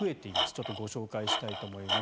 ちょっとご紹介したいと思います。